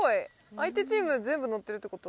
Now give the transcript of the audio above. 相手チーム全部乗ってるってこと？